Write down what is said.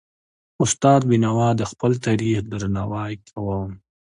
استاد بينوا د خپل تاریخ درناوی کاوه.